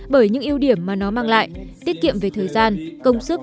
bởi những ưu điểm mà nó mang lại tiết kiệm về thời gian công sức